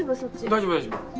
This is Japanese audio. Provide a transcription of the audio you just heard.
大丈夫大丈夫。